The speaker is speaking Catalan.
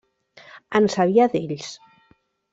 En sabia d’ells.